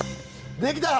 できた！